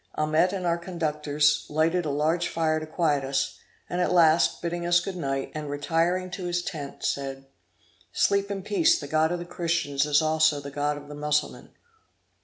Amet and our conductors lighted a large fire to quiet us; and at last, bidding us good night, and retiring to his tent, said, 'Sleep in peace; the God of the Christians is also the God of the Mussulman.'